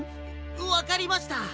わかりました。